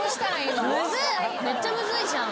めっちゃむずいじゃん。